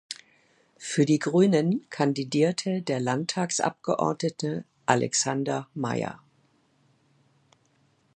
Für die Grünen kandidierte der Landtagsabgeordnete Alexander Maier.